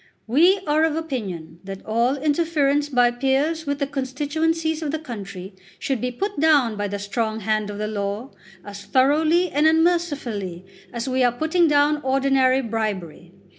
We are of opinion that all interference by peers with the constituencies of the country should be put down by the strong hand of the law as thoroughly and unmercifully as we are putting down ordinary bribery.